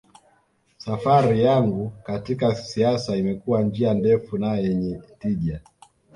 Safari yangu katika siasa imekuwa njia ndefu na yenye tija